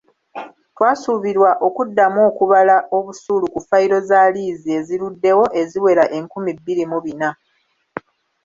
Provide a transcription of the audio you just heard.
Twasuubirwa okuddamu okubala obusuulu ku fayiro za liizi eziruddewo eziwera enkumi bbiri mu bina.